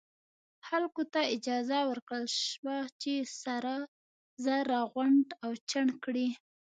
خلکو ته اجازه ورکړل شوه چې سره زر راغونډ او چاڼ کړي.